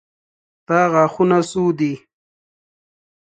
ستا غاښونه څو دي.